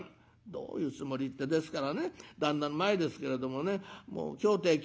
「どういうつもりってですからね旦那の前ですけれどもねもう今日ってえ